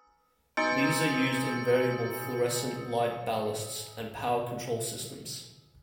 These are used in variable fluorescent light ballasts, and power control systems.